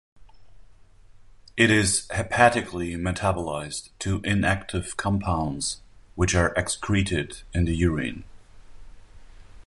It is hepatically metabolised to inactive compounds which are excreted in the urine.